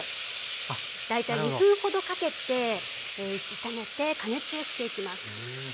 大体２分ほどかけて炒めて加熱をしていきます。